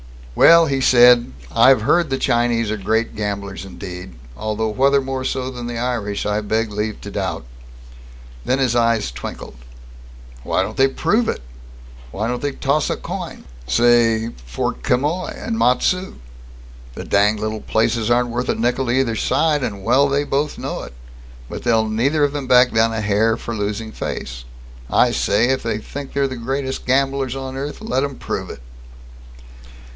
"Well," he said, "I've heard the Chinese are great gamblers indeed, although whether more so than the Irish I beg leave to doubt." Then his eyes twinkled. "Why don't they prove it? Why don't they toss a coin, say, for Quemoy and Matsu? The danged little places aren't worth a nickel to either side, and well they both know it. But they'll neither of them back down a hair, for losing face. I say, if they think they're the greatest gamblers on earth, let 'em prove it!"